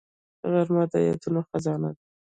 غرمه د یادونو خزانه ده